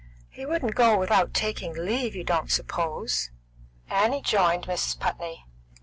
He wouldn't go without taking leave, you don't suppose?" Annie joined Mrs. Putney.